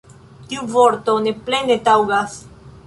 Tiu vorto ne plene taŭgas.